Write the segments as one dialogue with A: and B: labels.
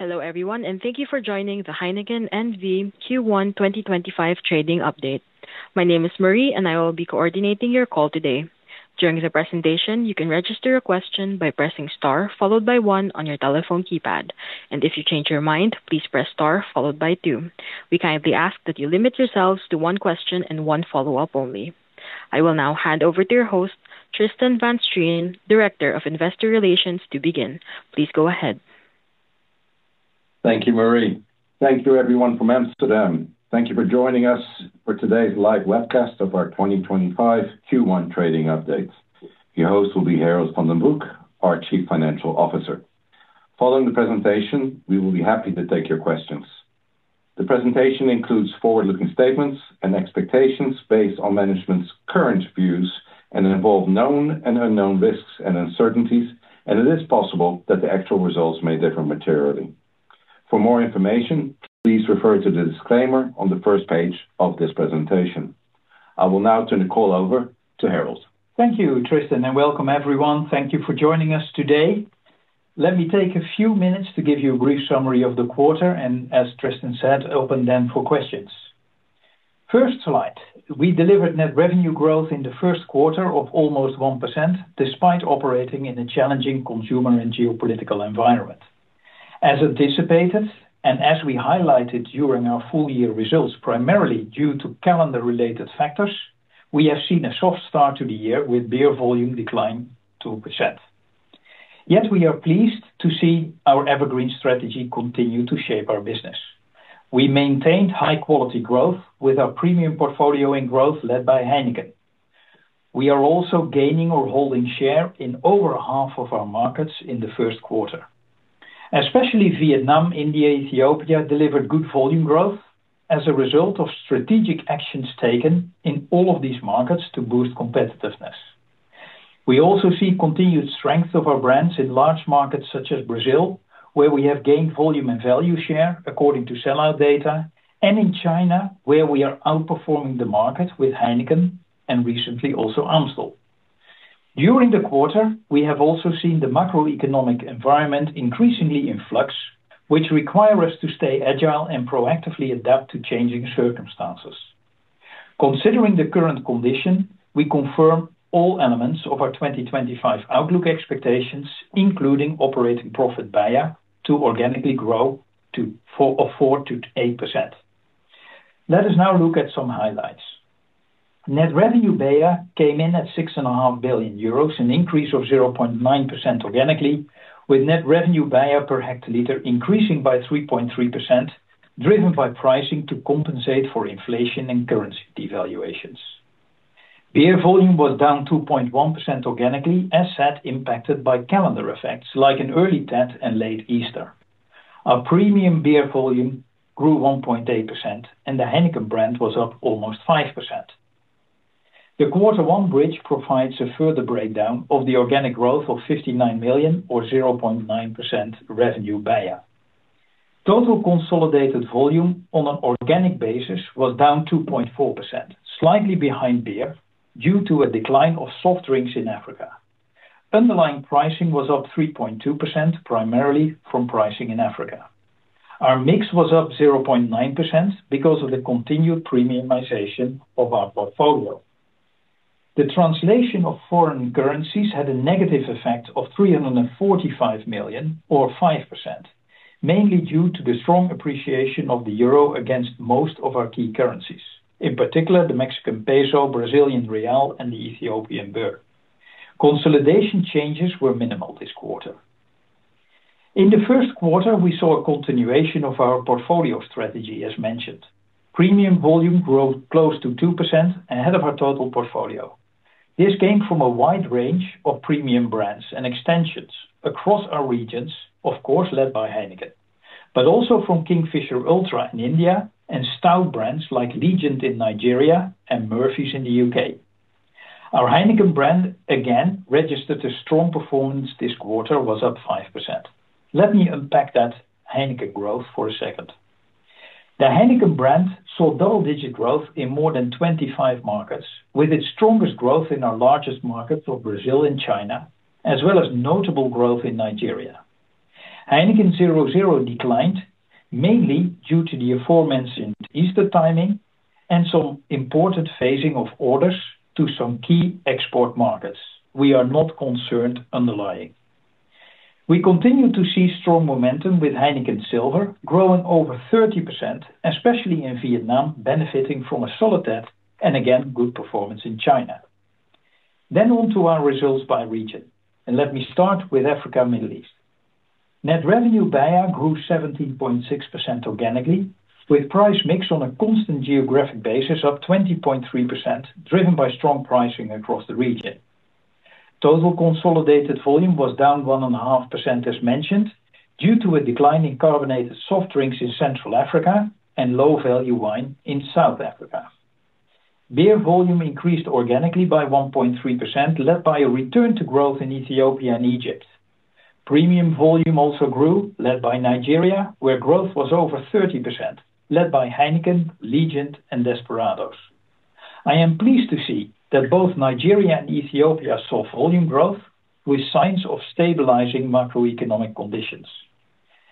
A: Hello everyone, and thank you for joining the Heineken N.V. Q1 2025 trading update. My name is Marie, and I will be coordinating your call today. During the presentation, you can register a question by pressing star followed by one on your telephone keypad, and if you change your mind, please press star followed by two. We kindly ask that you limit yourselves to one question and one follow-up only. I will now hand over to your host, Tristan van Strien, Director of Investor Relations, to begin. Please go ahead.
B: Thank you, Marie. Thank you everyone from Amsterdam. Thank you for joining us for today's live webcast of our 2025 Q1 trading updates. Your host will be Harold van den Broek, our Chief Financial Officer. Following the presentation, we will be happy to take your questions. The presentation includes forward-looking statements and expectations based on management's current views and involve known and unknown risks and uncertainties, and it is possible that the actual results may differ materially. For more information, please refer to the disclaimer on the first page of this presentation. I will now turn the call over to Harold.
C: Thank you, Tristan, and welcome everyone. Thank you for joining us today. Let me take a few minutes to give you a brief summary of the quarter, and as Tristan said, open then for questions. First, we delivered net revenue growth in the first quarter of almost 1% despite operating in a challenging consumer and geopolitical environment. As anticipated, and as we highlighted during our full-year results, primarily due to calendar-related factors, we have seen a soft start to the year with beer volume declining 2%. Yet we are pleased to see our evergreen strategy continue to shape our business. We maintained high-quality growth with our premium portfolio in growth led by Heineken. We are also gaining or holding share in over half of our markets in the first quarter. Especially Vietnam, India, and Ethiopia delivered good volume growth as a result of strategic actions taken in all of these markets to boost competitiveness. We also see continued strength of our brands in large markets such as Brazil, where we have gained volume and value share according to sellout data, and in China, where we are outperforming the market with Heineken and recently also Amstel. During the quarter, we have also seen the macroeconomic environment increasingly in flux, which requires us to stay agile and proactively adapt to changing circumstances. Considering the current condition, we confirm all elements of our 2025 outlook expectations, including operating profit BEIA to organically grow to 4%-8%. Let us now look at some highlights. Net revenue BEIA came in at 6.5 billion euros, an increase of 0.9% organically, with net revenue BEIA per hectoliter increasing by 3.3%, driven by pricing to compensate for inflation and currency devaluations. Beer volume was down 2.1% organically, as said, impacted by calendar effects like an early Tet and late Easter. Our premium beer volume grew 1.8%, and the Heineken brand was up almost 5%. The quarter one bridge provides a further breakdown of the organic growth of 59 million, or 0.9% revenue BEIA. Total consolidated volume on an organic basis was down 2.4%, slightly behind beer due to a decline of soft drinks in Africa. Underlying pricing was up 3.2%, primarily from pricing in Africa. Our mix was up 0.9% because of the continued premiumization of our portfolio. The translation of foreign currencies had a negative effect of 345 million, or 5%, mainly due to the strong appreciation of the euro against most of our key currencies, in particular the Mexican peso, Brazilian Real, and the Ethiopian Birr. Consolidation changes were minimal this quarter. In the first quarter, we saw a continuation of our portfolio strategy, as mentioned. Premium volume growth close to 2% ahead of our total portfolio. This came from a wide range of premium brands and extensions across our regions, of course, led by Heineken, but also from Kingfisher Ultra in India and stout brands like Legend in Nigeria and Murphy's in the U.K. Our Heineken brand, again, registered a strong performance this quarter, was up 5%. Let me unpack that Heineken growth for a second. The Heineken brand saw double-digit growth in more than 25 markets, with its strongest growth in our largest markets of Brazil and China, as well as notable growth in Nigeria. Heineken 0.0 declined mainly due to the aforementioned Easter timing and some important phasing of orders to some key export markets. We are not concerned underlying. We continue to see strong momentum with Heineken Silver growing over 30%, especially in Vietnam, benefiting from a solid debt and, again, good performance in China. On to our results by region, let me start with Africa and the Middle East. Net revenue BEIA grew 17.6% organically, with price mix on a constant geographic basis of 20.3%, driven by strong pricing across the region. Total consolidated volume was down 1.5%, as mentioned, due to a decline in carbonated soft drinks in Central Africa and low-value wine in South Africa. Beer volume increased organically by 1.3%, led by a return to growth in Ethiopia and Egypt. Premium volume also grew, led by Nigeria, where growth was over 30%, led by Heineken, Legend, and Desperados. I am pleased to see that both Nigeria and Ethiopia saw volume growth with signs of stabilizing macroeconomic conditions.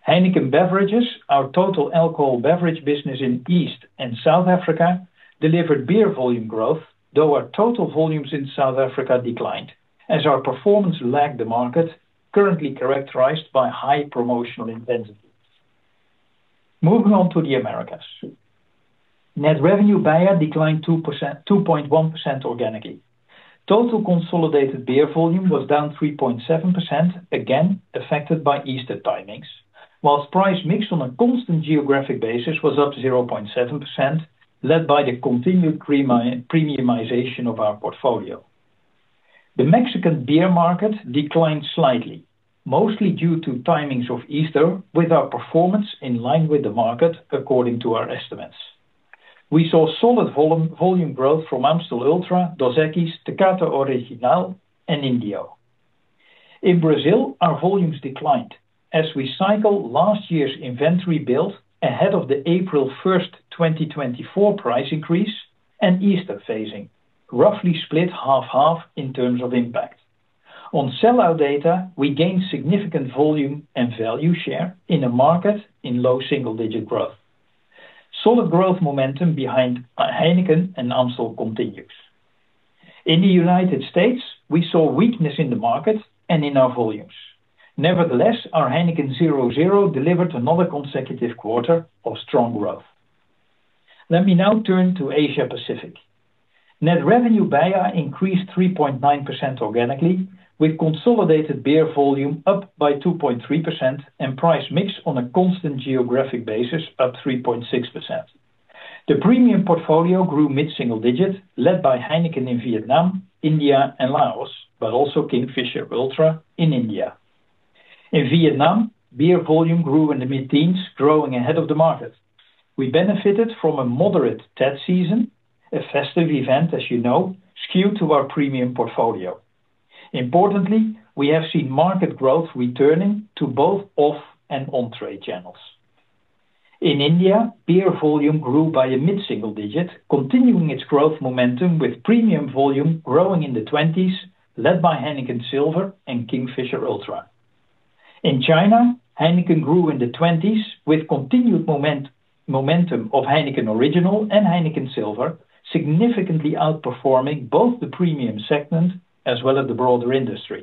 C: Heineken Beverages, our total alcohol beverage business in East and South Africa, delivered beer volume growth, though our total volumes in South Africa declined as our performance lagged the market currently characterized by high promotional intensity. Moving on to the Americas, net revenue BEIA declined 2.1% organically. Total consolidated beer volume was down 3.7%, again affected by Easter timings, whilst price mix on a constant geographic basis was up 0.7%, led by the continued premiumization of our portfolio. The Mexican beer market declined slightly, mostly due to timings of Easter, with our performance in line with the market according to our estimates. We saw solid volume growth from Amstel Ultra, Dos Equis, Tecate Original, and Indio. In Brazil, our volumes declined as we cycle last year's inventory build ahead of the April 1, 2024 price increase and Easter phasing, roughly split half-half in terms of impact. On sellout data, we gained significant volume and value share in a market in low single-digit growth. Solid growth momentum behind Heineken and Amstel continues. In the United States, we saw weakness in the market and in our volumes. Nevertheless, our Heineken 0.0 delivered another consecutive quarter of strong growth. Let me now turn to Asia-Pacific. Net revenue BEIA increased 3.9% organically, with consolidated beer volume up by 2.3% and price mix on a constant geographic basis of 3.6%. The premium portfolio grew mid-single digit, led by Heineken in Vietnam, India, and Laos, but also Kingfisher Ultra in India. In Vietnam, beer volume grew in the mid-teens, growing ahead of the market. We benefited from a moderate Tet season, a festive event, as you know, skewed to our premium portfolio. Importantly, we have seen market growth returning to both off and on-trade channels. In India, beer volume grew by a mid-single digit, continuing its growth momentum with premium volume growing in the 20s, led by Heineken Silver and Kingfisher Ultra. In China, Heineken grew in the 20s with continued momentum of Heineken Original and Heineken Silver, significantly outperforming both the premium segment as well as the broader industry.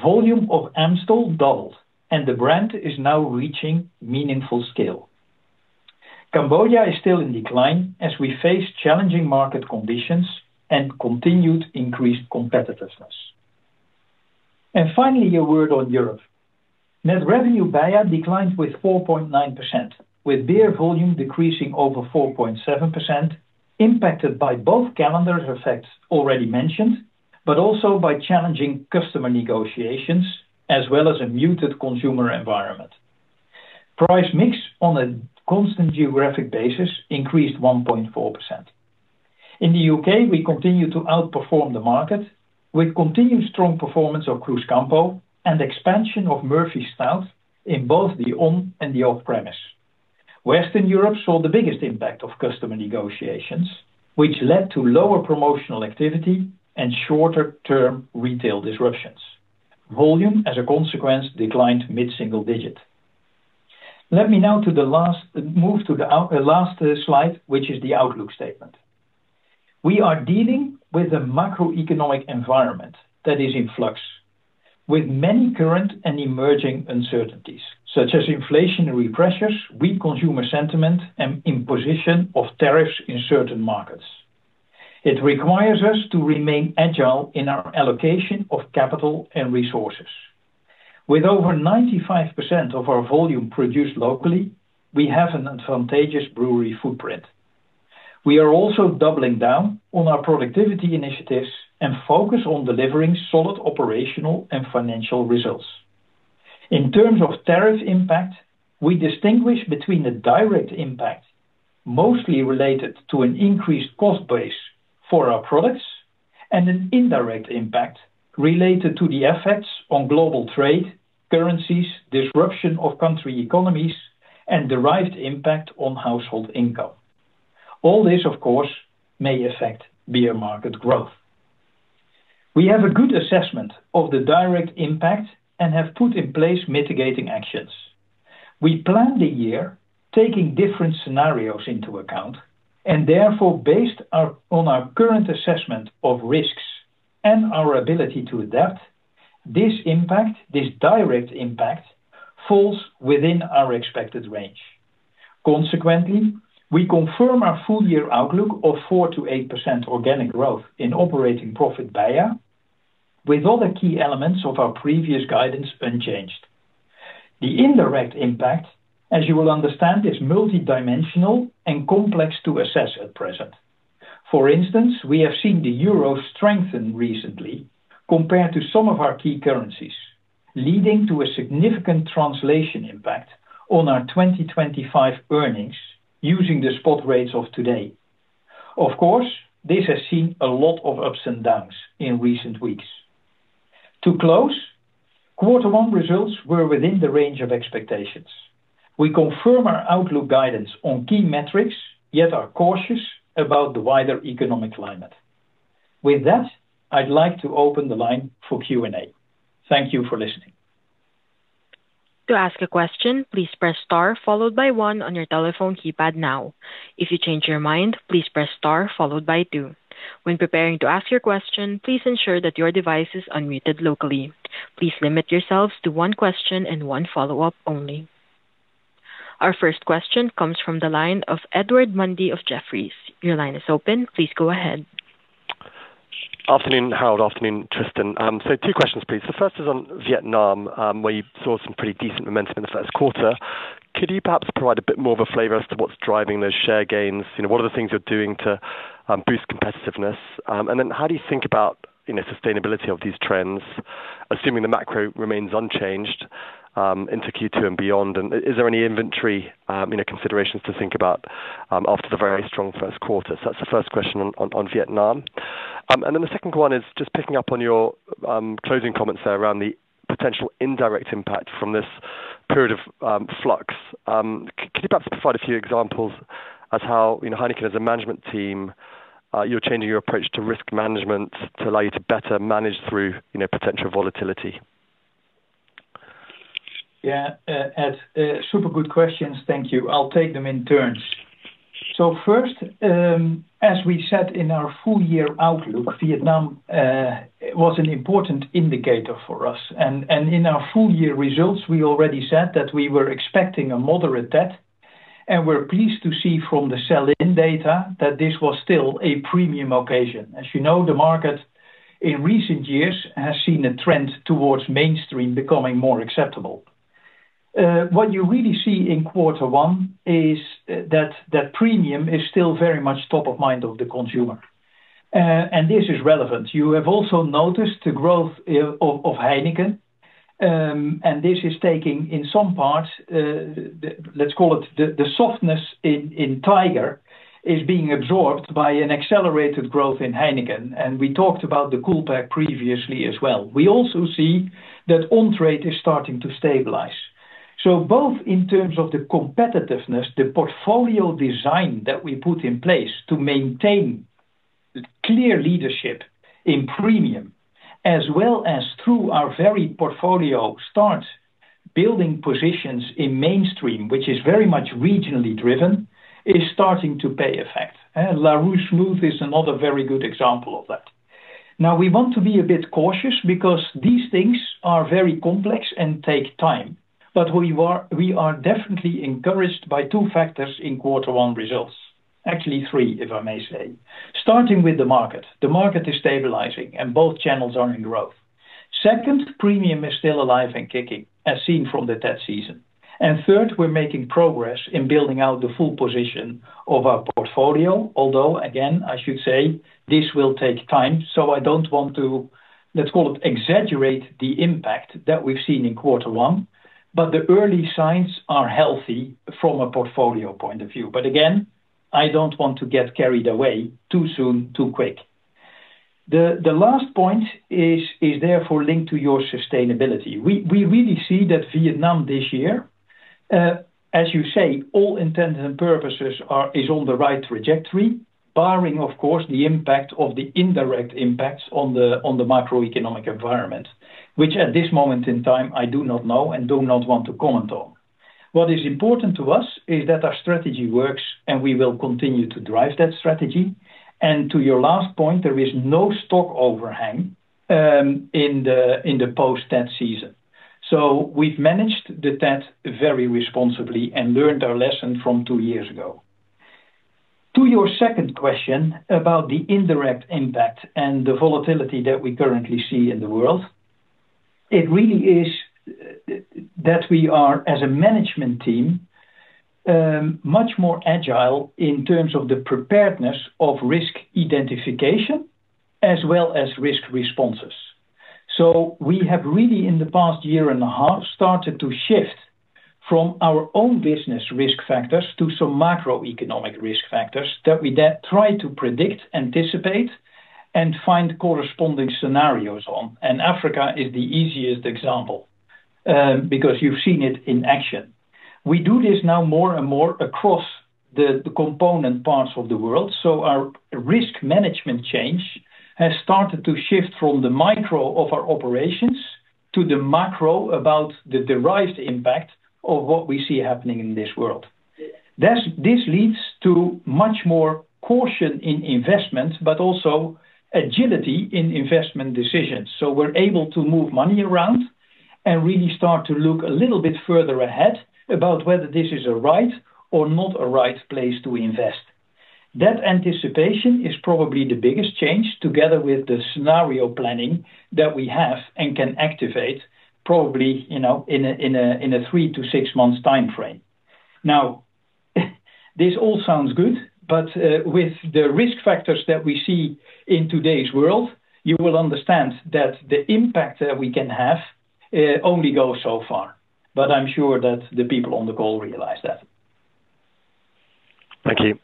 C: Volume of Amstel doubled, and the brand is now reaching meaningful scale. Cambodia is still in decline as we face challenging market conditions and continued increased competitiveness. Finally, a word on Europe. Net revenue BEIA declined with 4.9%, with beer volume decreasing over 4.7%, impacted by both calendar effects already mentioned, but also by challenging customer negotiations as well as a muted consumer environment. Price mix on a constant geographic basis increased 1.4%. In the U.K., we continue to outperform the market with continued strong performance of Cruzcampo and expansion of Murphy's Stout in both the on and the off-premise. Western Europe saw the biggest impact of customer negotiations, which led to lower promotional activity and shorter-term retail disruptions. Volume, as a consequence, declined mid-single digit. Let me now move to the last slide, which is the outlook statement. We are dealing with a macroeconomic environment that is in flux, with many current and emerging uncertainties such as inflationary pressures, weak consumer sentiment, and imposition of tariffs in certain markets. It requires us to remain agile in our allocation of capital and resources. With over 95% of our volume produced locally, we have an advantageous brewery footprint. We are also doubling down on our productivity initiatives and focus on delivering solid operational and financial results. In terms of tariff impact, we distinguish between a direct impact mostly related to an increased cost base for our products and an indirect impact related to the effects on global trade, currencies, disruption of country economies, and derived impact on household income. All this, of course, may affect beer market growth. We have a good assessment of the direct impact and have put in place mitigating actions. We planned the year, taking different scenarios into account, and therefore, based on our current assessment of risks and our ability to adapt, this direct impact falls within our expected range. Consequently, we confirm our full-year outlook of 4%-8% organic growth in operating profit BEIA, with all the key elements of our previous guidance unchanged. The indirect impact, as you will understand, is multidimensional and complex to assess at present. For instance, we have seen the euro strengthen recently compared to some of our key currencies, leading to a significant translation impact on our 2025 earnings using the spot rates of today. Of course, this has seen a lot of ups and downs in recent weeks. To close, quarter one results were within the range of expectations. We confirm our outlook guidance on key metrics, yet are cautious about the wider economic climate. With that, I'd like to open the line for Q&A. Thank you for listening.
A: To ask a question, please press star followed by one on your telephone keypad now. If you change your mind, please press star followed by two. When preparing to ask your question, please ensure that your device is unmuted locally. Please limit yourselves to one question and one follow-up only. Our first question comes from the line of Edward Mundy of Jefferies. Your line is open. Please go ahead.
D: Afternoon, Harold. Afternoon, Tristan. Two questions, please. The first is on Vietnam, where you saw some pretty decent momentum in the first quarter. Could you perhaps provide a bit more of a flavor as to what's driving those share gains? What are the things you're doing to boost competitiveness? How do you think about the sustainability of these trends, assuming the macro remains unchanged into Q2 and beyond? Is there any inventory considerations to think about after the very strong first quarter? That's the first question on Vietnam. The second one is just picking up on your closing comments there around the potential indirect impact from this period of flux. Could you perhaps provide a few examples as how Heineken as a management team, you're changing your approach to risk management to allow you to better manage through potential volatility?
C: Yeah, super good questions. Thank you. I'll take them in turns. First, as we said in our full-year outlook, Vietnam was an important indicator for us. In our full-year results, we already said that we were expecting a moderate debt. We're pleased to see from the sell-in data that this was still a premium occasion. As you know, the market in recent years has seen a trend towards mainstream becoming more acceptable. What you really see in quarter one is that that premium is still very much top of mind of the consumer. This is relevant. You have also noticed the growth of Heineken. This is taking, in some parts, let's call it the softness in Tiger, is being absorbed by an accelerated growth in Heineken. We talked about the Cool Pack previously as well. We also see that on-trade is starting to stabilize. Both in terms of the competitiveness, the portfolio design that we put in place to maintain clear leadership in premium, as well as through our very portfolio start building positions in mainstream, which is very much regionally driven, is starting to pay effect. La Rousse Smooth is another very good example of that. Now, we want to be a bit cautious because these things are very complex and take time. We are definitely encouraged by two factors in quarter one results. Actually, three, if I may say. Starting with the market. The market is stabilizing, and both channels are in growth. Second, premium is still alive and kicking, as seen from the Tet season. Third, we're making progress in building out the full position of our portfolio, although, again, I should say this will take time. I do not want to, let's call it, exaggerate the impact that we've seen in quarter one. The early signs are healthy from a portfolio point of view. Again, I don't want to get carried away too soon, too quick. The last point is therefore linked to your sustainability. We really see that Vietnam this year, as you say, all intents and purposes is on the right trajectory, barring, of course, the impact of the indirect impacts on the macroeconomic environment, which at this moment in time, I do not know and do not want to comment on. What is important to us is that our strategy works, and we will continue to drive that strategy. To your last point, there is no stock overhang in the post-Tet season. We have managed the Tet very responsibly and learned our lesson from two years ago. To your second question about the indirect impact and the volatility that we currently see in the world, it really is that we are, as a management team, much more agile in terms of the preparedness of risk identification as well as risk responses. We have really, in the past year and a half, started to shift from our own business risk factors to some macroeconomic risk factors that we then try to predict, anticipate, and find corresponding scenarios on. Africa is the easiest example because you have seen it in action. We do this now more and more across the component parts of the world. Our risk management change has started to shift from the micro of our operations to the macro about the derived impact of what we see happening in this world. This leads to much more caution in investment, but also agility in investment decisions. We are able to move money around and really start to look a little bit further ahead about whether this is a right or not a right place to invest. That anticipation is probably the biggest change, together with the scenario planning that we have and can activate, probably in a three to six-month time frame. This all sounds good, but with the risk factors that we see in today's world, you will understand that the impact that we can have only goes so far. I'm sure that the people on the call realize that.
D: Thank you.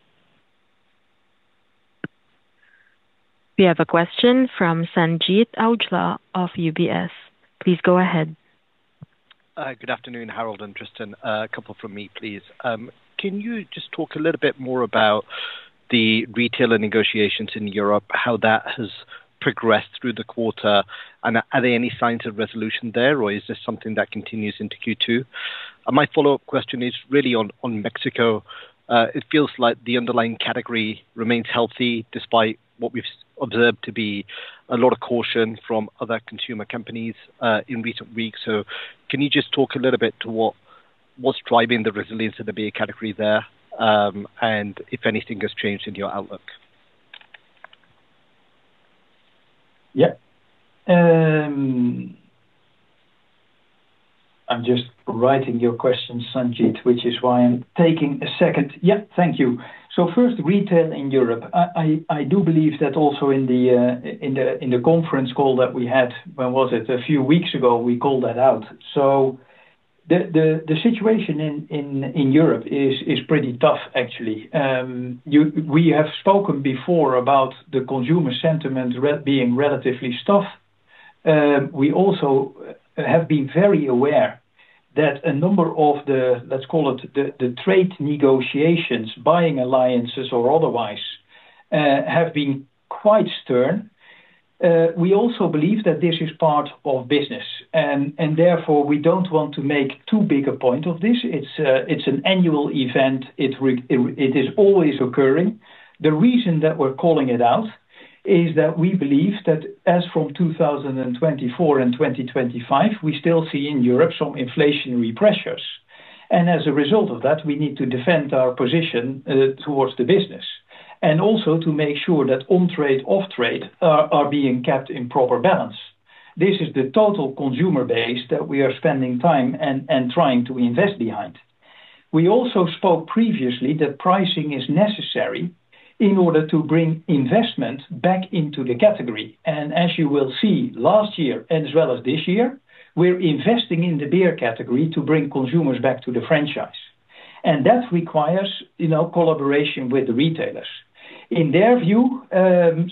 A: We have a question from Sanjeet Aujla of UBS. Please go ahead.
E: Good afternoon, Harold and Tristan. A couple from me, please. Can you just talk a little bit more about the retailer negotiations in Europe, how that has progressed through the quarter, and are there any signs of resolution there, or is this something that continues into Q2? My follow-up question is really on Mexico. It feels like the underlying category remains healthy despite what we've observed to be a lot of caution from other consumer companies in recent weeks. Can you just talk a little bit to what was driving the resilience of the beer category there, and if anything has changed in your outlook?
C: Yep. I'm just writing your question, Sanjeet, which is why I'm taking a second. Thank you. First, retail in Europe. I do believe that also in the conference call that we had, when was it? A few weeks ago, we called that out. The situation in Europe is pretty tough, actually. We have spoken before about the consumer sentiment being relatively stuffed. We also have been very aware that a number of the, let's call it, the trade negotiations, buying alliances or otherwise, have been quite stern. We also believe that this is part of business. Therefore, we do not want to make too big a point of this. It is an annual event. It is always occurring. The reason that we are calling it out is that we believe that as from 2024 and 2025, we still see in Europe some inflationary pressures. As a result of that, we need to defend our position towards the business and also to make sure that on-trade, off-trade are being kept in proper balance. This is the total consumer base that we are spending time and trying to invest behind. We also spoke previously that pricing is necessary in order to bring investment back into the category. As you will see, last year and as well as this year, we're investing in the beer category to bring consumers back to the franchise. That requires collaboration with the retailers. In their view,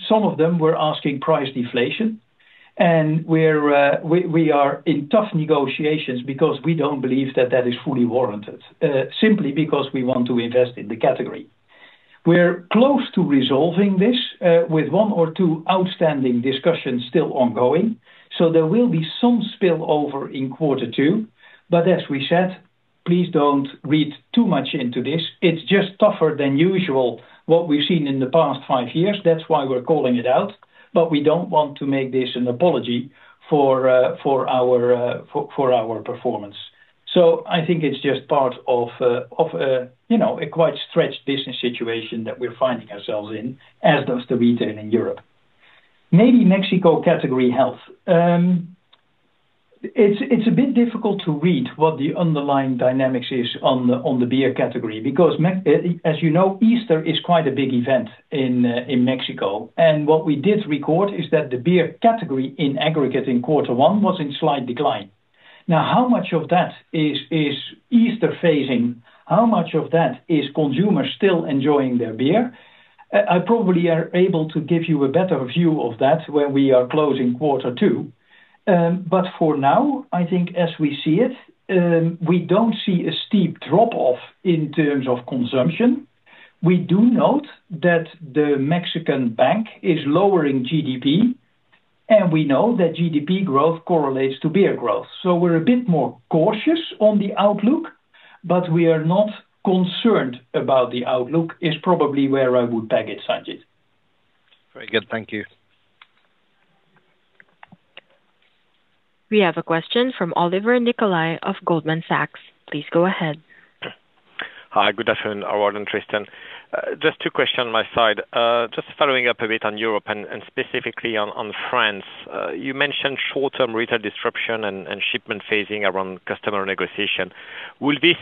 C: some of them were asking price deflation, and we are in tough negotiations because we do not believe that that is fully warranted, simply because we want to invest in the category. We are close to resolving this with one or two outstanding discussions still ongoing. There will be some spillover in quarter two. As we said, please do not read too much into this. It is just tougher than usual compared to what we have seen in the past five years. That is why we are calling it out. We do not want to make this an apology for our performance. I think it is just part of a quite stretched business situation that we are finding ourselves in, as does the retail in Europe. Maybe Mexico category health. It is a bit difficult to read what the underlying dynamics is on the beer category because, as you know, Easter is quite a big event in Mexico. What we did record is that the beer category in aggregate in quarter one was in slight decline. Now, how much of that is Easter phasing? How much of that is consumers still enjoying their beer? I probably am able to give you a better view of that when we are closing quarter two. For now, I think as we see it, we do not see a steep drop-off in terms of consumption. We do note that the Mexican Bank is lowering GDP, and we know that GDP growth correlates to beer growth. We are a bit more cautious on the outlook, but we are not concerned about the outlook is probably where I would peg it, Sanjeet.
E: Very good. Thank you. We have a question from Olivier Nicolai of Goldman Sachs. Please go ahead.
F: Hi, good afternoon, Harold and Tristan. Just two questions on my side. Just following up a bit on Europe and specifically on France. You mentioned short-term retail disruption and shipment phasing around customer negotiation. Will this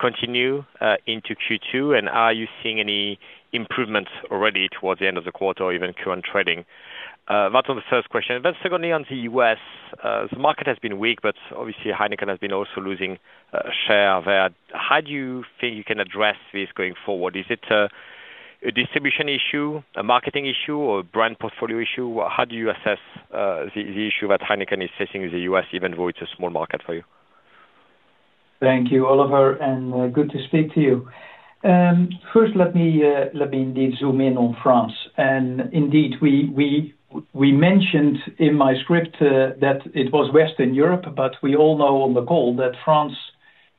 F: continue into Q2? Are you seeing any improvements already towards the end of the quarter or even Q1 trading? That is on the first question. Secondly, on the U.S., the market has been weak, but obviously, Heineken has been also losing share there. How do you think you can address this going forward? Is it a distribution issue, a marketing issue, or a brand portfolio issue? How do you assess the issue that Heineken is facing in the U.S., even though it is a small market for you?
C: Thank you, Oliver, and good to speak to you. First, let me indeed zoom in on France. I mentioned in my script that it was Western Europe, but we all know on the call that France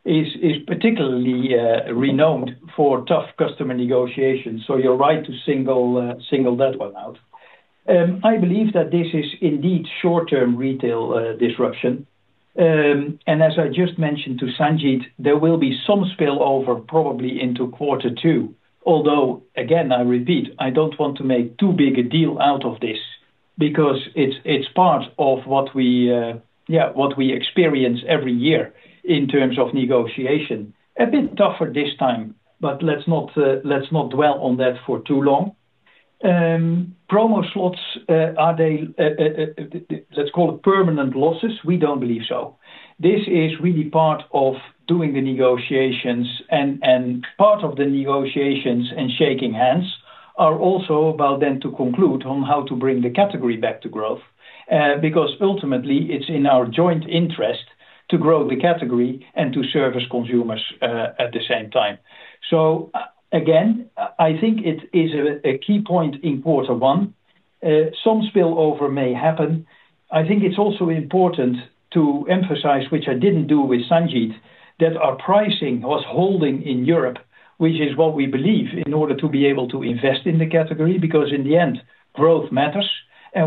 C: is particularly renowned for tough customer negotiations. You are right to single that one out. I believe that this is indeed short-term retail disruption. As I just mentioned to Sanjeet, there will be some spillover probably into quarter two, although, again, I repeat, I do not want to make too big a deal out of this because it is part of what we experience every year in terms of negotiation. A bit tougher this time, but let us not dwell on that for too long. Promo slots, let us call it permanent losses. We do not believe so. This is really part of doing the negotiations, and part of the negotiations and shaking hands are also about then to conclude on how to bring the category back to growth because ultimately, it is in our joint interest to grow the category and to service consumers at the same time. Again, I think it is a key point in quarter one. Some spillover may happen. I think it's also important to emphasize, which I didn't do with Sanjeet, that our pricing was holding in Europe, which is what we believe in order to be able to invest in the category because in the end, growth matters.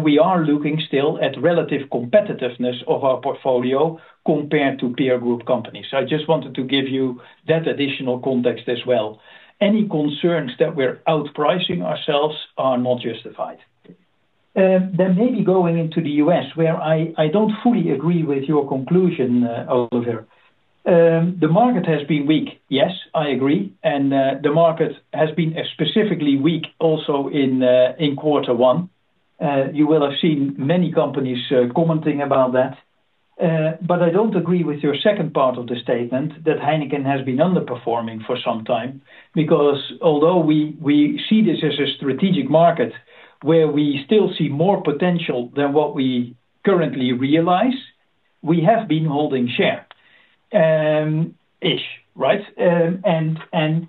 C: We are looking still at relative competitiveness of our portfolio compared to peer group companies. I just wanted to give you that additional context as well. Any concerns that we're outpricing ourselves are not justified. Maybe going into the U.S., where I don't fully agree with your conclusion, Oliver. The market has been weak. Yes, I agree. The market has been specifically weak also in quarter one. You will have seen many companies commenting about that. I don't agree with your second part of the statement that Heineken has been underperforming for some time because although we see this as a strategic market where we still see more potential than what we currently realize, we have been holding share-ish, right?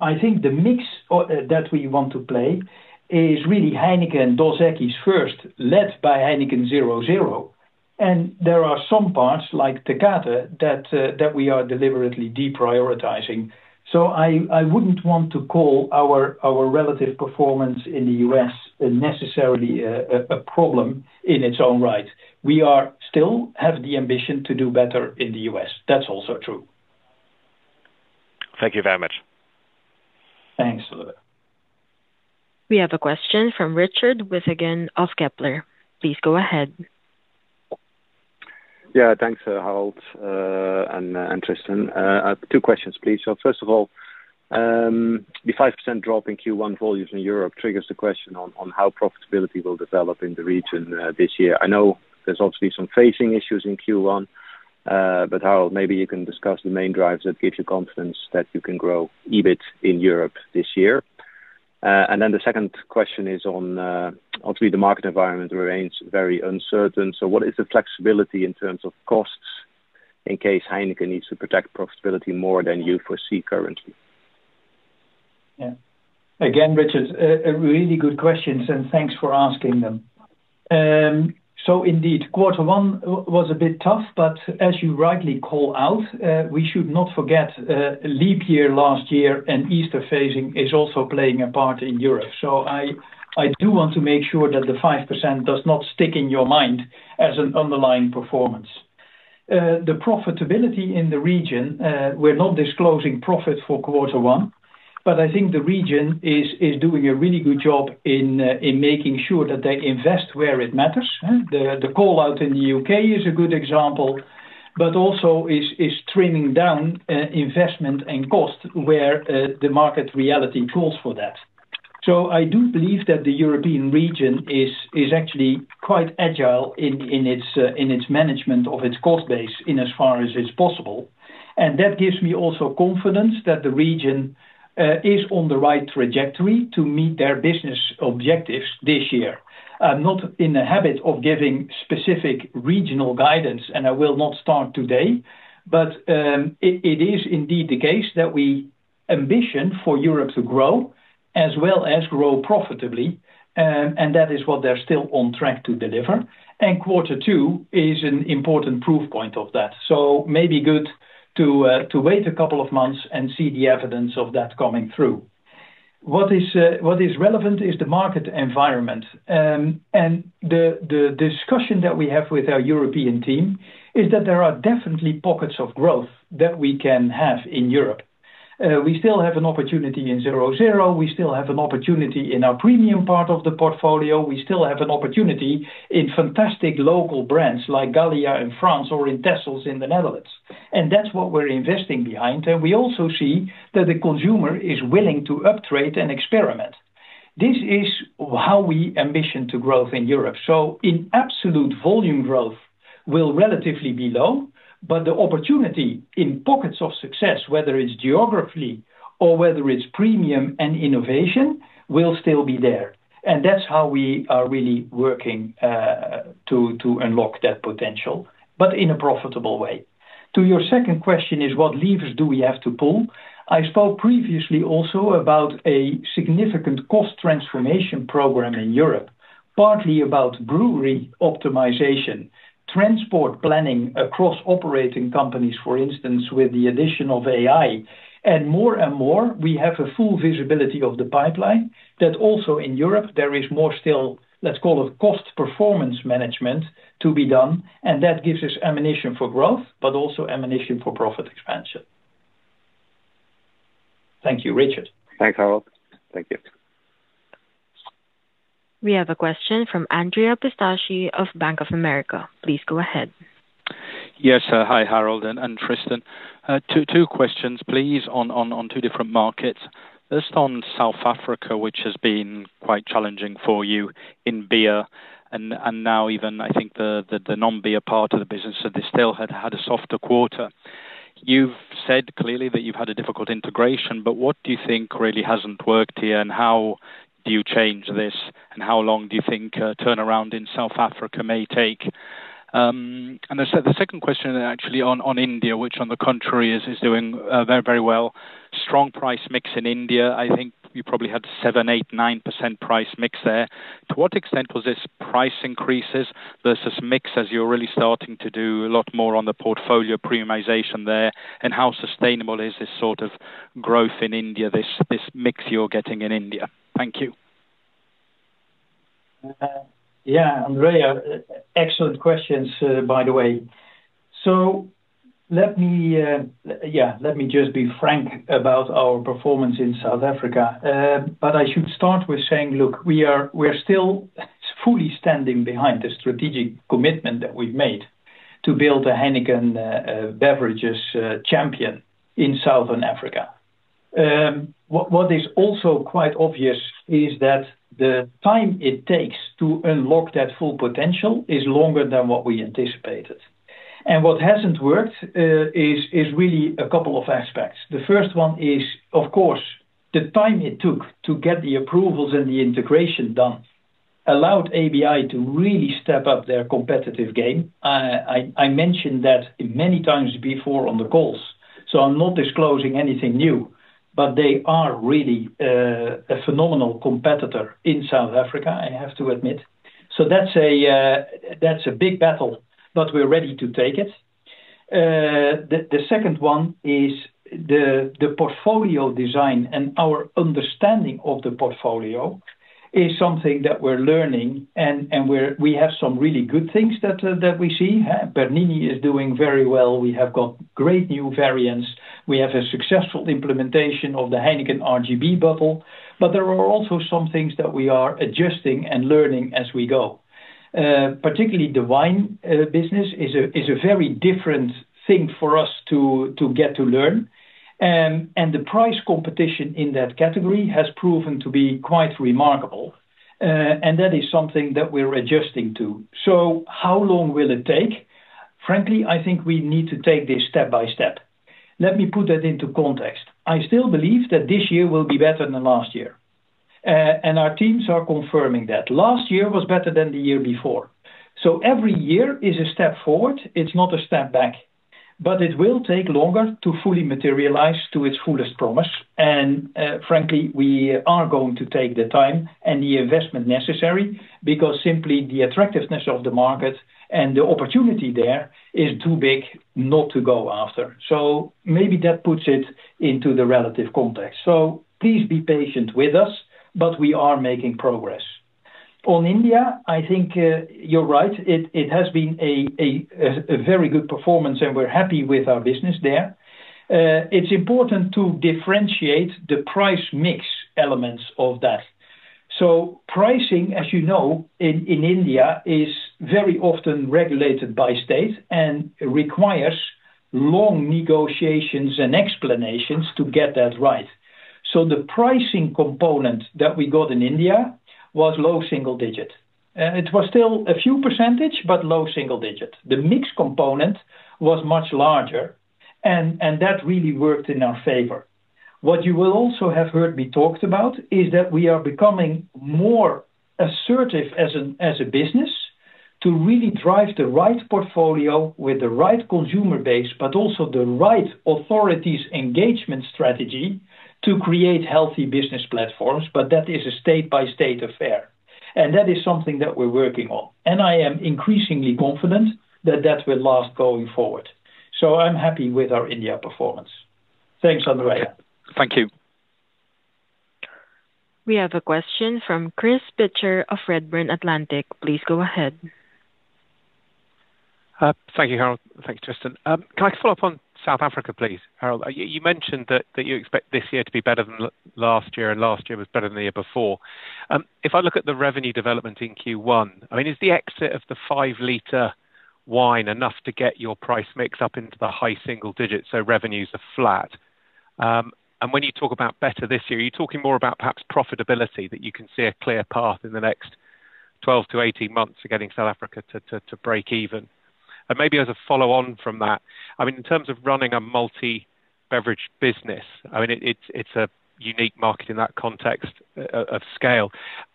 C: I think the mix that we want to play is really Heineken Dos Equis first, led by Heineken 0.0. There are some parts like Tecate that we are deliberately deprioritizing. I wouldn't want to call our relative performance in the U.S. necessarily a problem in its own right. We still have the ambition to do better in the U.S. That's also true.
F: Thank you very much.
C: Thanks, Oliver.
A: We have a question from Richard Withagen again of Kepler. Please go ahead.
G: Yeah, thanks, Harold and Tristan. Two questions, please. First of all, the 5% drop in Q1 volumes in Europe triggers the question on how profitability will develop in the region this year. I know there's obviously some phasing issues in Q1, but Harold, maybe you can discuss the main drivers that give you confidence that you can grow EBIT in Europe this year. The second question is on, obviously, the market environment remains very uncertain. What is the flexibility in terms of costs in case Heineken needs to protect profitability more than you foresee currently?
C: Yeah. Again, Richard, really good questions, and thanks for asking them. Indeed, quarter one was a bit tough, but as you rightly call out, we should not forget leap year last year and Easter phasing is also playing a part in Europe. I do want to make sure that the 5% does not stick in your mind as an underlying performance. The profitability in the region, we're not disclosing profits for quarter one, but I think the region is doing a really good job in making sure that they invest where it matters. The callout in the U.K. is a good example, but also is trimming down investment and cost where the market reality calls for that. I do believe that the European region is actually quite agile in its management of its cost base in as far as it's possible. That gives me also confidence that the region is on the right trajectory to meet their business objectives this year. I'm not in the habit of giving specific regional guidance, and I will not start today, but it is indeed the case that we ambition for Europe to grow as well as grow profitably, and that is what they're still on track to deliver. Quarter two is an important proof point of that. Maybe good to wait a couple of months and see the evidence of that coming through. What is relevant is the market environment. The discussion that we have with our European team is that there are definitely pockets of growth that we can have in Europe. We still have an opportunity in 0.0. We still have an opportunity in our premium part of the portfolio. We still have an opportunity in fantastic local brands like Gallia in France or in Texels in the Netherlands. That's what we're investing behind. We also see that the consumer is willing to uptrade and experiment. This is how we ambition to growth in Europe. In absolute volume growth, we will relatively be low, but the opportunity in pockets of success, whether it is geography or whether it is premium and innovation, will still be there. That is how we are really working to unlock that potential, but in a profitable way. To your second question, what levers do we have to pull? I spoke previously also about a significant cost transformation program in Europe, partly about brewery optimization, transport planning across operating companies, for instance, with the addition of AI. More and more, we have full visibility of the pipeline that also in Europe, there is more still, let's call it cost performance management to be done. That gives us ammunition for growth, but also ammunition for profit expansion. Thank you, Richard.
G: Thanks, Harold.
C: Thank you.
A: We have a question from Andrea Pistacchi of Bank of America. Please go ahead.
H: Yes, hi, Harold and Tristan. Two questions, please, on two different markets. First, on South Africa, which has been quite challenging for you in beer and now even, I think, the non-beer part of the business, so they still had a softer quarter. You've said clearly that you've had a difficult integration, but what do you think really hasn't worked here and how do you change this and how long do you think turnaround in South Africa may take? The second question is actually on India, which on the contrary is doing very, very well. Strong price mix in India. I think you probably had 7-9% price mix there. To what extent was this price increases versus mix, as you're really starting to do a lot more on the portfolio premiumization there, and how sustainable is this sort of growth in India, this mix you're getting in India? Thank you.
C: Yeah, Andrea, excellent questions, by the way. Let me just be frank about our performance in South Africa, but I should start with saying, look, we're still fully standing behind the strategic commitment that we've made to build a Heineken beverages champion in Southern Africa. What is also quite obvious is that the time it takes to unlock that full potential is longer than what we anticipated. What has not worked is really a couple of aspects. The first one is, of course, the time it took to get the approvals and the integration done allowed AB InBev to really step up their competitive game. I mentioned that many times before on the calls, so I'm not disclosing anything new, but they are really a phenomenal competitor in South Africa, I have to admit. That is a big battle, but we're ready to take it. The second one is the portfolio design and our understanding of the portfolio is something that we're learning, and we have some really good things that we see. Bernini is doing very well. We have got great new variants. We have a successful implementation of the Heineken RGB bottle, but there are also some things that we are adjusting and learning as we go. Particularly the wine business is a very different thing for us to get to learn. The price competition in that category has proven to be quite remarkable, and that is something that we're adjusting to. How long will it take? Frankly, I think we need to take this step by step. Let me put that into context. I still believe that this year will be better than last year, and our teams are confirming that. Last year was better than the year before. Every year is a step forward. It's not a step back, but it will take longer to fully materialize to its fullest promise. Frankly, we are going to take the time and the investment necessary because simply the attractiveness of the market and the opportunity there is too big not to go after. Maybe that puts it into the relative context. Please be patient with us, but we are making progress. On India, I think you're right. It has been a very good performance, and we're happy with our business there. It's important to differentiate the price mix elements of that. Pricing, as you know, in India is very often regulated by state and requires long negotiations and explanations to get that right. The pricing component that we got in India was low single digit. It was still a few percentage, but low single digit. The mix component was much larger, and that really worked in our favor. What you will also have heard me talked about is that we are becoming more assertive as a business to really drive the right portfolio with the right consumer base, but also the right authorities engagement strategy to create healthy business platforms, but that is a state-by-state affair. That is something that we're working on. I am increasingly confident that that will last going forward. I'm happy with our India performance. Thanks, Andrea.
H: Thank you.
A: We have a question from Chris Pitcher of Redburn Atlantic. Please go ahead.
I: Thank you, Harold. Thank you, Tristan. Can I follow up on South Africa, please? Harold, you mentioned that you expect this year to be better than last year, and last year was better than the year before. If I look at the revenue development in Q1, I mean, is the exit of the five-liter wine enough to get your price mix up into the high single digit? Revenues are flat. When you talk about better this year, are you talking more about perhaps profitability that you can see a clear path in the next 12 to 18 months for getting South Africa to break even? Maybe as a follow-on from that, I mean, in terms of running a multi-beverage business, I mean, it's a unique market in that context of scale.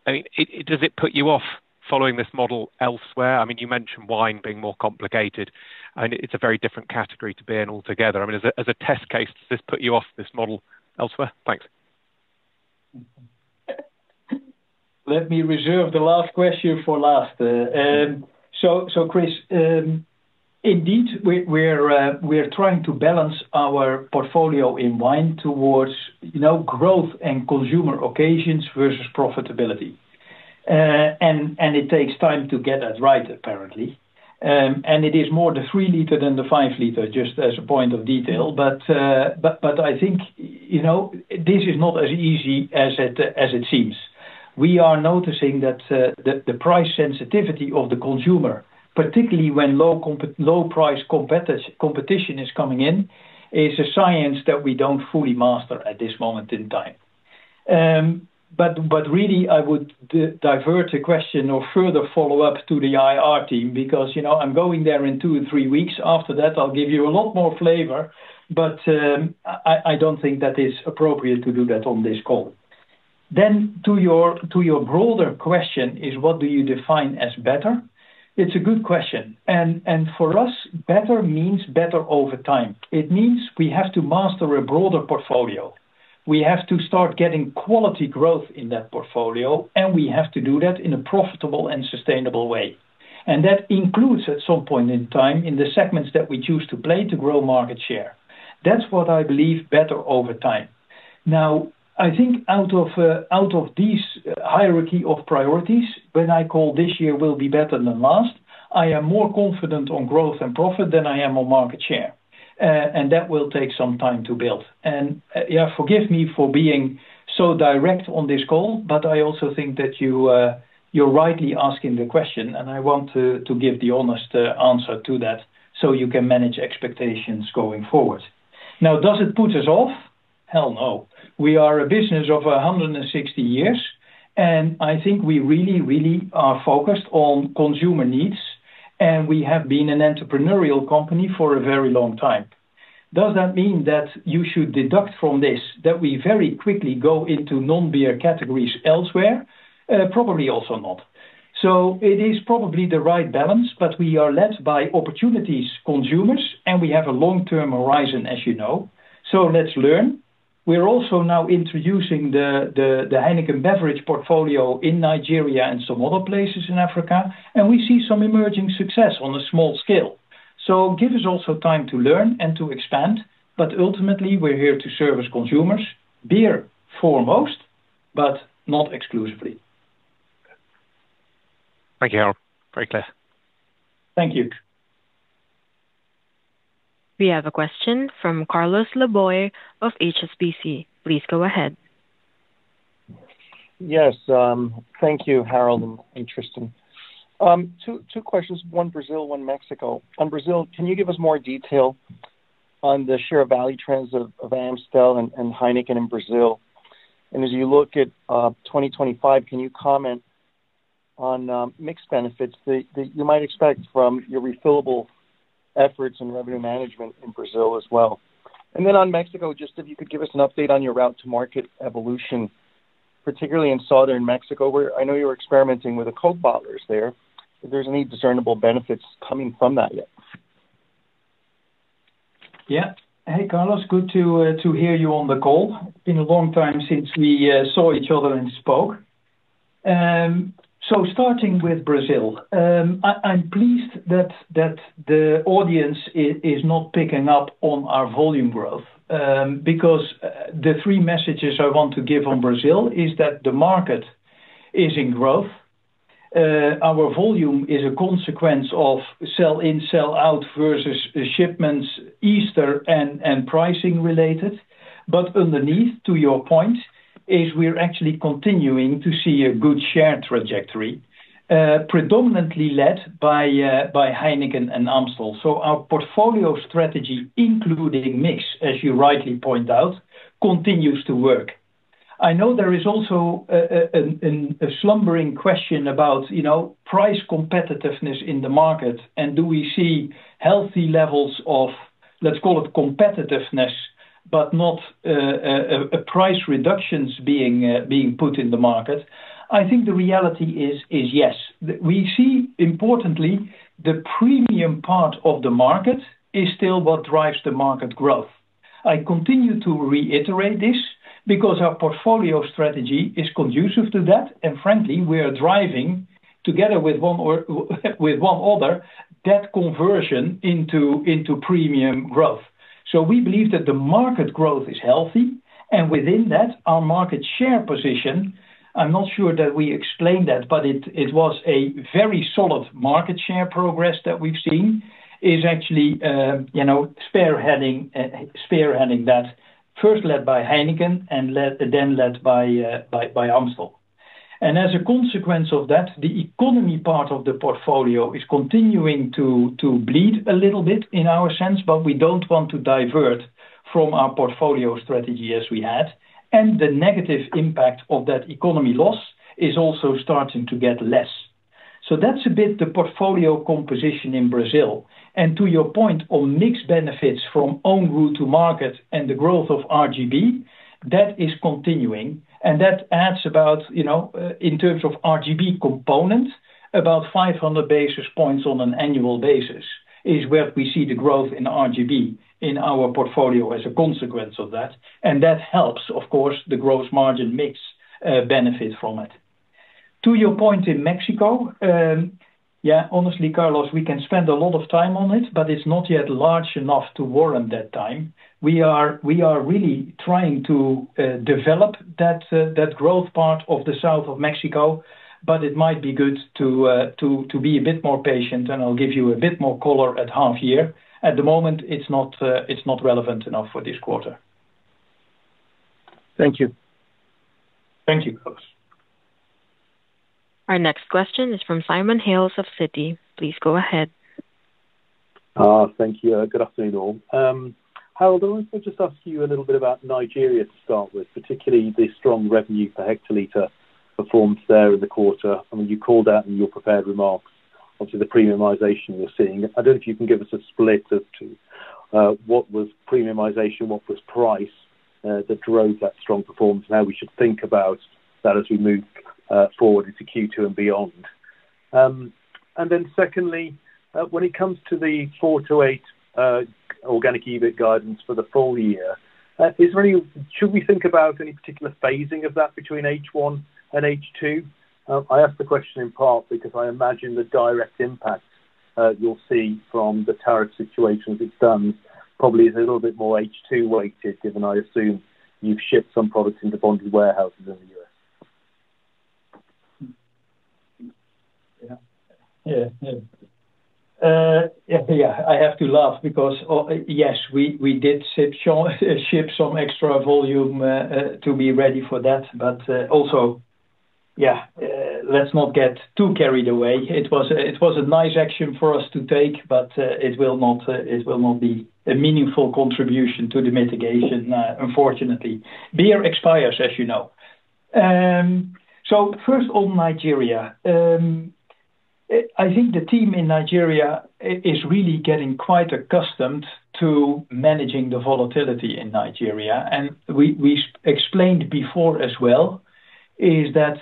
I: Does it put you off following this model elsewhere? I mean, you mentioned wine being more complicated, and it's a very different category to be in altogether. I mean, as a test case, does this put you off this model elsewhere? Thanks.
C: Let me reserve the last question for last. Chris, indeed, we're trying to balance our portfolio in wine towards growth and consumer occasions versus profitability. It takes time to get that right, apparently. It is more the 3-liter than the 5-liter, just as a point of detail. I think this is not as easy as it seems. We are noticing that the price sensitivity of the consumer, particularly when low-price competition is coming in, is a science that we don't fully master at this moment in time. Really, I would divert the question or further follow-up to the IR team because I'm going there in two or three weeks. After that, I'll give you a lot more flavor, but I don't think that is appropriate to do that on this call. To your broader question, what do you define as better? It's a good question. For us, better means better over time. It means we have to master a broader portfolio. We have to start getting quality growth in that portfolio, and we have to do that in a profitable and sustainable way. That includes at some point in time in the segments that we choose to play to grow market share. That's what I believe better over time. I think out of this hierarchy of priorities, when I call this year will be better than last, I am more confident on growth and profit than I am on market share. That will take some time to build. Yeah, forgive me for being so direct on this call, but I also think that you're rightly asking the question, and I want to give the honest answer to that so you can manage expectations going forward. Now, does it put us off? Hell no. We are a business of 160 years, and I think we really, really are focused on consumer needs, and we have been an entrepreneurial company for a very long time. Does that mean that you should deduct from this that we very quickly go into non-beer categories elsewhere? Probably also not. It is probably the right balance, but we are led by opportunities, consumers, and we have a long-term horizon, as you know. Let's learn. We're also now introducing the Heineken beverage portfolio in Nigeria and some other places in Africa, and we see some emerging success on a small scale. Give us also time to learn and to expand, but ultimately, we're here to service consumers, beer foremost, but not exclusively.
I: Thank you, Harold. Very clear.
C: Thank you.
A: We have a question from Carlos Laboy of HSBC. Please go ahead. Yes.
J: Thank you, Harold and Tristan. Two questions. One Brazil, one Mexico. On Brazil, can you give us more detail on the share value trends of Amstel and Heineken in Brazil? As you look at 2025, can you comment on mix benefits that you might expect from your refillable efforts and revenue management in Brazil as well? On Mexico, just if you could give us an update on your route to market evolution, particularly in southern Mexico, where I know you're experimenting with the Coke bottlers there. If there's any discernible benefits coming from that yet?
C: Yeah. Hey, Carlos, good to hear you on the call. It's been a long time since we saw each other and spoke. Starting with Brazil, I'm pleased that the audience is not picking up on our volume growth because the three messages I want to give on Brazil is that the market is in growth. Our volume is a consequence of sell-in, sell-out versus shipments, Easter, and pricing related. Underneath, to your point, is we're actually continuing to see a good share trajectory, predominantly led by Heineken and Amstel. Our portfolio strategy, including mix, as you rightly point out, continues to work. I know there is also a slumbering question about price competitiveness in the market, and do we see healthy levels of, let's call it, competitiveness, but not price reductions being put in the market? I think the reality is yes. We see, importantly, the premium part of the market is still what drives the market growth. I continue to reiterate this because our portfolio strategy is conducive to that, and frankly, we are driving, together with one other, that conversion into premium growth. We believe that the market growth is healthy, and within that, our market share position, I'm not sure that we explained that, but it was a very solid market share progress that we've seen, is actually spearheading that, first led by Heineken and then led by Amstel. As a consequence of that, the economy part of the portfolio is continuing to bleed a little bit in our sense, but we don't want to divert from our portfolio strategy as we had. The negative impact of that economy loss is also starting to get less. That's a bit the portfolio composition in Brazil. To your point on mixed benefits from own route to market and the growth of RGB, that is continuing, and that adds about, in terms of RGB component, about 500 basis points on an annual basis is where we see the growth in RGB in our portfolio as a consequence of that. That helps, of course, the gross margin mix benefit from it. To your point in Mexico, yeah, honestly, Carlos, we can spend a lot of time on it, but it's not yet large enough to warrant that time. We are really trying to develop that growth part of the south of Mexico, but it might be good to be a bit more patient, and I'll give you a bit more color at half year. At the moment, it's not relevant enough for this quarter.
J: Thank you.
C: Thank you, Carlos.
A: Our next question is from Simon Hales of Citi. Please go ahead.
K: Thank you. Good afternoon, all. Harold, I wanted to just ask you a little bit about Nigeria to start with, particularly the strong revenue per hectoliter performance there in the quarter. I mean, you called out in your prepared remarks, obviously, the premiumization you're seeing. I do not know if you can give us a split as to what was premiumization, what was price that drove that strong performance, and how we should think about that as we move forward into Q2 and beyond. Secondly, when it comes to the 4%-8% organic EBIT guidance for the full year, should we think about any particular phasing of that between H1 and H2? I ask the question in part because I imagine the direct impact you'll see from the tariff situation as it stands probably is a little bit more H2-weighted, given I assume you've shipped some products into bonded warehouses in the U.S.
C: Yeah. Yeah. Yeah. Yeah. I have to laugh because, yes, we did ship some extra volume to be ready for that, but also, yeah, let's not get too carried away. It was a nice action for us to take, but it will not be a meaningful contribution to the mitigation, unfortunately. Beer expires, as you know. First, on Nigeria, I think the team in Nigeria is really getting quite accustomed to managing the volatility in Nigeria. We explained before as well that,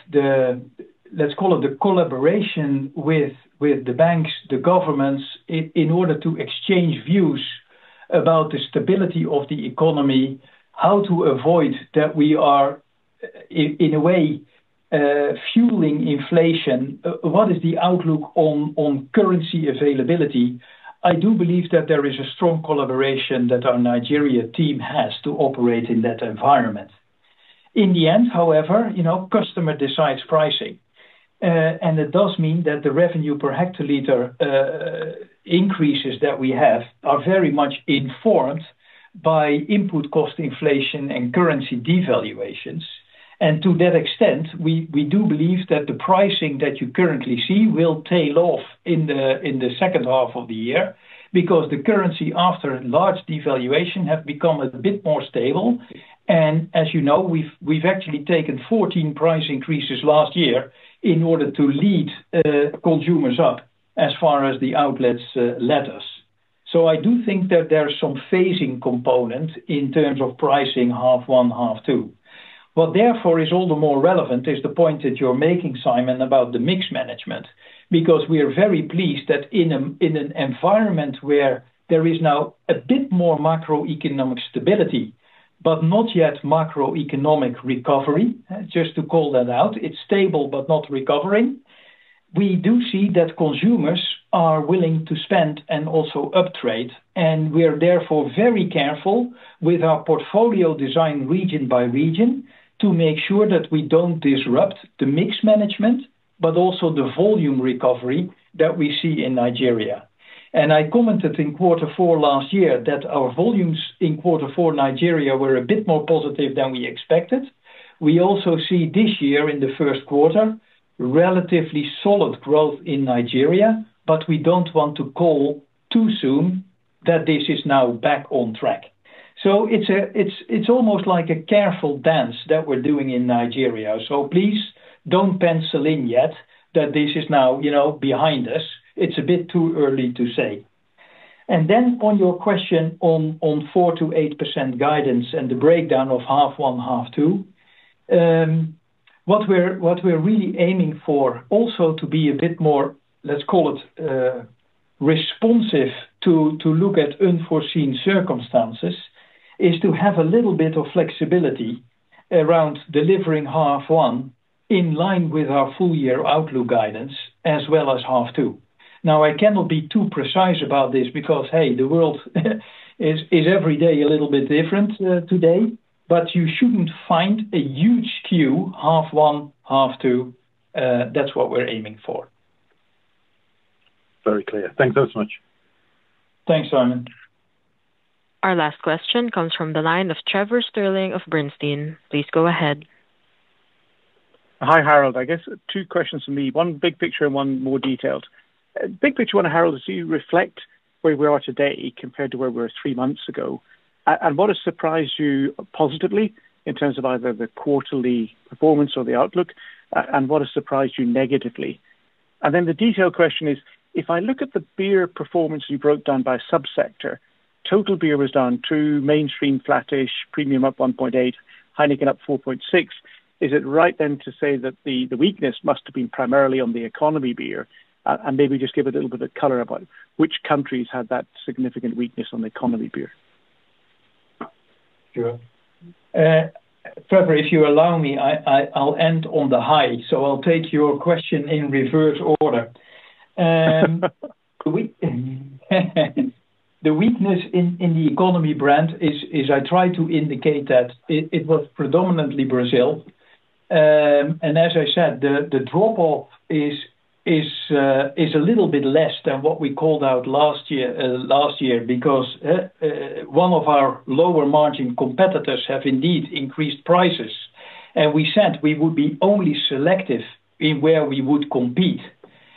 C: let's call it the collaboration with the banks, the governments, in order to exchange views about the stability of the economy, how to avoid that we are, in a way, fueling inflation, what is the outlook on currency availability. I do believe that there is a strong collaboration that our Nigeria team has to operate in that environment. In the end, however, customer decides pricing, and it does mean that the revenue per hectoliter increases that we have are very much informed by input cost inflation and currency devaluations. To that extent, we do believe that the pricing that you currently see will tail off in the second half of the year because the currency after large devaluation has become a bit more stable. As you know, we've actually taken 14 price increases last year in order to lead consumers up as far as the outlets let us. I do think that there's some phasing component in terms of pricing half one, half two. What is all the more relevant is the point that you're making, Simon, about the mix management because we are very pleased that in an environment where there is now a bit more macroeconomic stability, but not yet macroeconomic recovery, just to call that out, it's stable but not recovering, we do see that consumers are willing to spend and also uptrade. We are therefore very careful with our portfolio design region by region to make sure that we do not disrupt the mix management, but also the volume recovery that we see in Nigeria. I commented in quarter four last year that our volumes in quarter four Nigeria were a bit more positive than we expected. We also see this year in the first quarter relatively solid growth in Nigeria, but we do not want to call too soon that this is now back on track. It is almost like a careful dance that we are doing in Nigeria. Please do not pencil in yet that this is now behind us. It is a bit too early to say. On your question on 4%-8% guidance and the breakdown of half one, half two, what we are really aiming for also to be a bit more, let's call it responsive to look at unforeseen circumstances, is to have a little bit of flexibility around delivering half one in line with our full year outlook guidance as well as half two. Now, I cannot be too precise about this because, hey, the world is every day a little bit different today, but you should not find a huge queue, half one, half two. That is what we are aiming for.
K: Very clear. Thanks so much.
C: Thanks, Simon.
A: Our last question comes from the line of Trevor Stirling of Bernstein. Please go ahead.
L: Hi, Harold. I guess two questions for me. One big picture and one more detailed. Big picture one, Harold, is do you reflect where we are today compared to where we were three months ago? What has surprised you positively in terms of either the quarterly performance or the outlook? What has surprised you negatively? The detailed question is, if I look at the beer performance you broke down by subsector, total beer was down to mainstream, flattish, premium up 1.8%, Heineken up 4.6%.
C: Is it right then to say that the weakness must have been primarily on the economy beer? Maybe just give a little bit of color about which countries had that significant weakness on the economy beer? Sure. Trevor, if you allow me, I'll end on the high. I'll take your question in reverse order. The weakness in the economy brand, as I tried to indicate, was predominantly Brazil. As I said, the drop-off is a little bit less than what we called out last year because one of our lower margin competitors has indeed increased prices. We said we would be only selective in where we would compete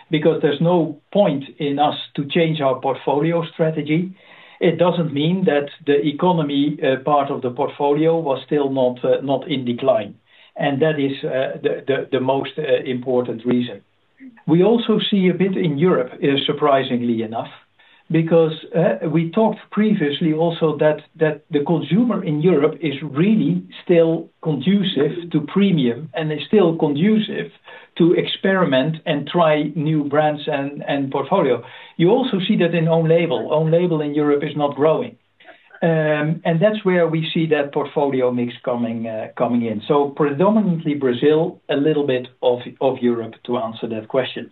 C: because there is no point in us to change our portfolio strategy. It does not mean that the economy part of the portfolio was still not in decline. That is the most important reason. We also see a bit in Europe, surprisingly enough, because we talked previously also that the consumer in Europe is really still conducive to premium and is still conducive to experiment and try new brands and portfolio. You also see that in own label. Own label in Europe is not growing. That is where we see that portfolio mix coming in. Predominantly Brazil, a little bit of Europe to answer that question.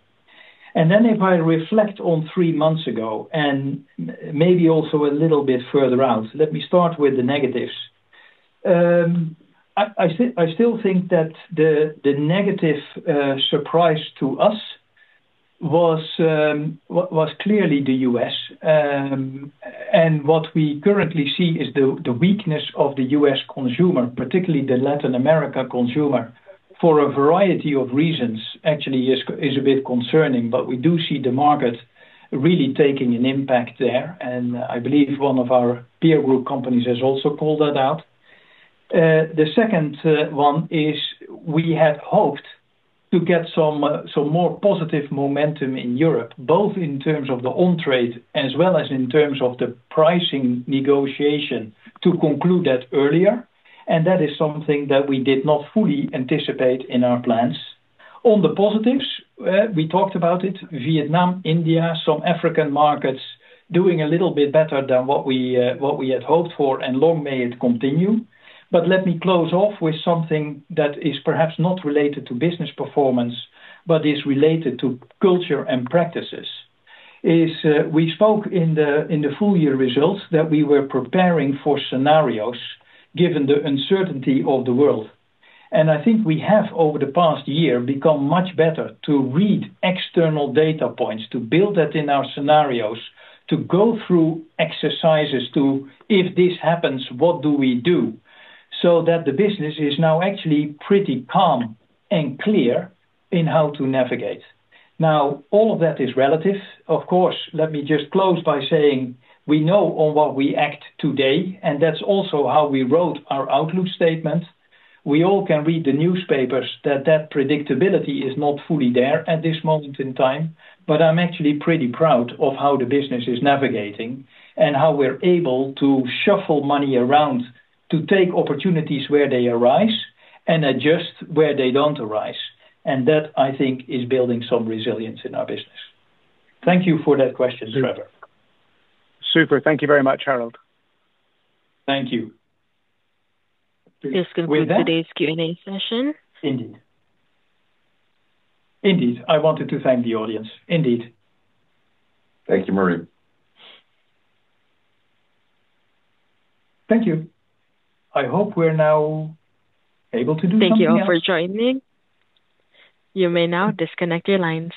C: If I reflect on three months ago and maybe also a little bit further out, let me start with the negatives. I still think that the negative surprise to us was clearly the U.S. What we currently see is the weakness of the U.S. consumer, particularly the Latin American consumer, for a variety of reasons, actually is a bit concerning. We do see the market really taking an impact there. I believe one of our peer group companies has also called that out. The second one is we had hoped to get some more positive momentum in Europe, both in terms of the on-trade as well as in terms of the pricing negotiation to conclude that earlier. That is something that we did not fully anticipate in our plans. On the positives, we talked about it, Vietnam, India, some African markets doing a little bit better than what we had hoped for, and long may it continue. Let me close off with something that is perhaps not related to business performance, but is related to culture and practices. We spoke in the full year results that we were preparing for scenarios given the uncertainty of the world. I think we have over the past year become much better to read external data points, to build that in our scenarios, to go through exercises to, if this happens, what do we do? That way the business is now actually pretty calm and clear in how to navigate. All of that is relative. Of course, let me just close by saying we know on what we act today, and that's also how we wrote our outlook statement. We all can read the newspapers that that predictability is not fully there at this moment in time, but I'm actually pretty proud of how the business is navigating and how we're able to shuffle money around to take opportunities where they arise and adjust where they don't arise. That, I think, is building some resilience in our business. Thank you for that question, Trevor.
L: Super. Thank you very much, Harold.
C: Thank you.
A: This concludes today's Q&A session.
C: Indeed. I wanted to thank the audience. Indeed.
B: Thank you, Marie.
C: Thank you. I hope we're now able to do something.
A: Thank you all for joining. You may now disconnect your lines.